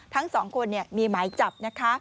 ทั้งสองคนมีหมายจับนะคะ